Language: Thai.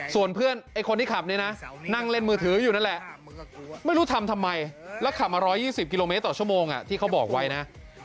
ส่วนเพื่อนไอ้คนที่ขับเนี่ยนะนั่งเล่นมือถืออยู่นั่นแหละไม่รู้ทำทำไมแล้วขับมา๑๒๐กิโลเมตรต่อชั่วโมงที่เขาบอกไว้นะ